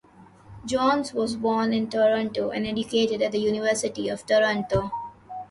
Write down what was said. Jones was born in Toronto, and educated at the University of Toronto.